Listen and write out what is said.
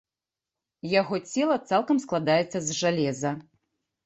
Яго цела цалкам складаецца з жалеза.